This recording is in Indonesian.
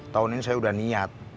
tahun ini saya sudah niat